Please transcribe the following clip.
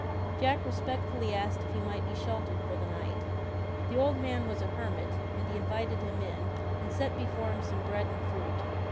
Jack respectfully asked if he might be sheltered for the night. The old man was a hermit, and he invited him in, and set before him some bread and fruit.